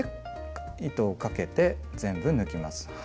糸をかけて全部抜きます。